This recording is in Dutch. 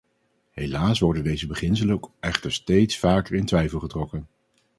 Helaas worden deze beginselen echter steeds vaker in twijfel getrokken.